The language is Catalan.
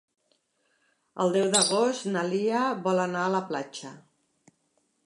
El deu d'agost na Lia vol anar a la platja.